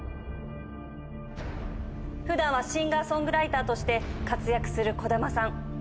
普段はシンガー・ソングライターとして活躍する小玉さん。